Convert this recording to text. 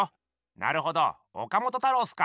なるほど岡本太郎っすか！